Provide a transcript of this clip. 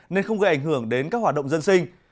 nên không gây ảnh hưởng đến các hoạt động dân sinh